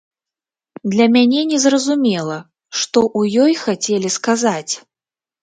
Для мяне незразумела, што ў ёй хацелі сказаць.